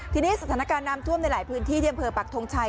ทีนี้สถานการณ์น้ำท่วมในหลายพื้นที่ที่อำเภอปักทงชัย